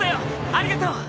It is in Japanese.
ありがとう！